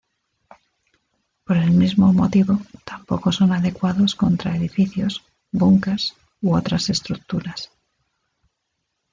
Por el mismo motivo, tampoco son adecuados contra edificios, búnkers u otras estructuras.